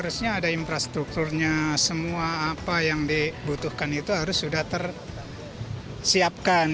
harusnya ada infrastrukturnya semua apa yang dibutuhkan itu harus sudah tersiapkan